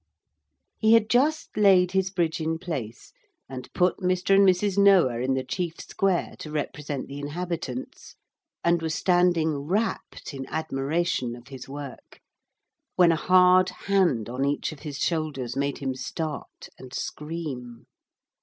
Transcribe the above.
He had just laid his bridge in place, and put Mr. and Mrs. Noah in the chief square to represent the inhabitants, and was standing rapt in admiration of his work, when a hard hand on each of his shoulders made him start and scream.